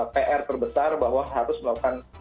pr terbesar bahwa harus melakukan